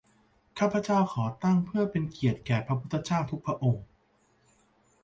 ข้าพเจ้าขอตั้งเพื่อเป็นเกียรติแก่พระพุทธเจ้าทุกพระองค์